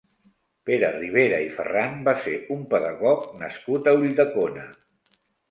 Pere Ribera i Ferran va ser un pedagog nascut a Ulldecona.